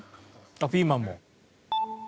あっピーマンも。